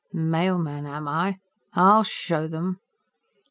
_Mailman, am I? I'll show them!